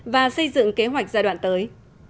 và xây dựng kế hoạch giai đoạn tới